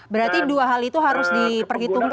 berarti dua hal itu harus diperhitungkan